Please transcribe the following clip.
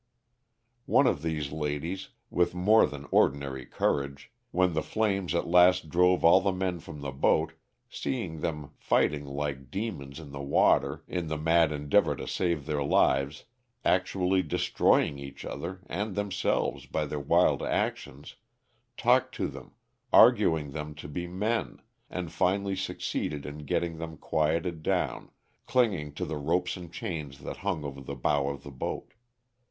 One of these ladies, with more than ordinary courage, when the flames at last drove all the men from the boat, seeing them fighting like demons in the water in the mad endeavor to save their lives, actually destroying each other and themselves by their wild actions, talked to them, urg ing them to be men, and finally succeeded in getting them quieted down, clinging to the ropes and chains that hung over the bow of the boat.